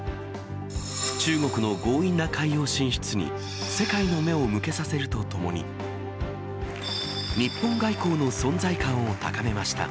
中国の強引な海洋進出に世界の目を向けさせるとともに、日本外交の存在感を高めました。